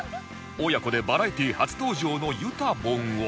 親子でバラエティー初登場のゆたぼんを